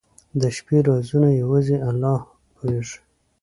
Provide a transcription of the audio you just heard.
• د شپې رازونه یوازې الله پوهېږي.